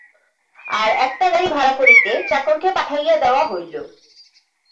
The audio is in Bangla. আর-একটা গাড়ি ভাড়া করিতে চাকরকে পাঠাইয়া দেওয়া হইল।